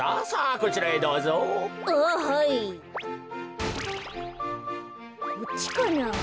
こっちかな。